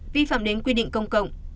vi phạm đến quy định công cộng